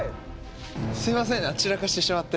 すいませんね散らかしてしまって。